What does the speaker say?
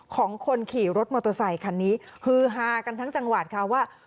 ของคนขี่รถมอเตอร์ไซคันนี้ฮือฮากันทั้งจังหวัดค่ะว่า